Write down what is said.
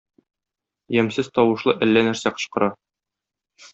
Ямьсез тавышлы әллә нәрсә кычкыра.